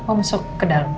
mau masuk ke dalam